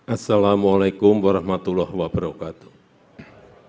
assalamu'alaikum warahmatullahi wabarakatuh